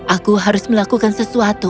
aku harus melakukan sesuatu